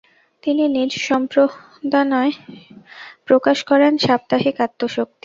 তিনি নিজ সম্পাদনায় প্রকাশ করেন সাপ্তাহিক আত্মশক্তি।